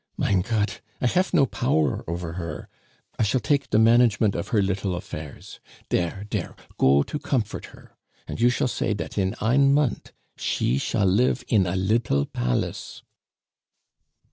"Mein Gott! I hafe no power over her. I shall take de management of her little affairs Dere, dere, go to comfort her, and you shall say that in ein mont she shall live in a little palace."